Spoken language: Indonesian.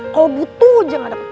kalau butuh aja gak dapet